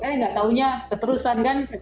eh nggak tahunya keterusan kan